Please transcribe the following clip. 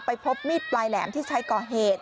พบมีดปลายแหลมที่ใช้ก่อเหตุ